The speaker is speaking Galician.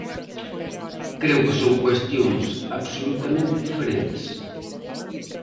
Creo que son cuestións absolutamente diferentes.